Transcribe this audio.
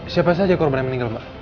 siapa saja korban yang meninggal mbak